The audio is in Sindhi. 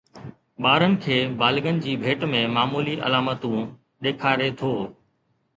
ٻارن کي بالغن جي ڀيٽ ۾ معمولي علامتون ڏيکاري ٿو